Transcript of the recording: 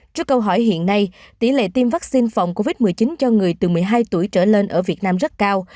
trước câu hỏi hiện nay tỷ lệ tiêm vaccine phòng covid một mươi chín cho người từ một mươi hai tuổi trở lên ở việt nam rất cao